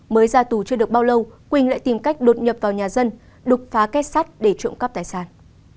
mới ra tù chưa được bao lâu quỳnh lại tìm cách đột nhập vào nhà dân đục phá kết sắt để trộm cắp tài sản